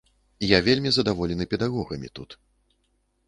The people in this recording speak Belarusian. Я вельмі задаволены педагогамі тут.